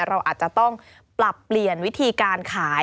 เราอาจจะต้องปรับเปลี่ยนวิธีการขาย